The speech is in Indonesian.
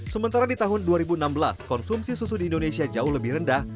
sementara di tahun dua ribu enam belas konsumsi susu di indonesia jauh lebih rendah